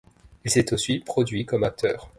Il s'est aussi produit comme acteur.